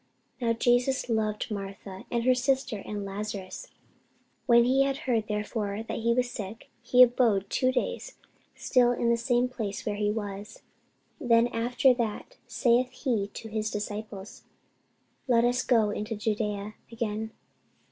Now Jesus loved Martha, and her sister, and Lazarus. When he had heard therefore that he was sick, he abode two days still in the same place where he was. Then after that saith he to his disciples, Let us go into Judæa again.